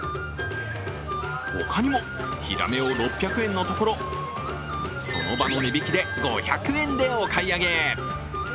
他にも、ヒラメを６００円のところその場の値引きで５００円でお買い上げ。